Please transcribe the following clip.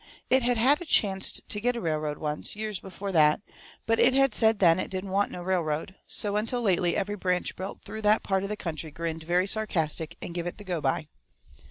It had had a chancet to get a railroad once, years before that. But it had said then it didn't want no railroad. So until lately every branch built through that part of the country grinned very sarcastic and give it the go by.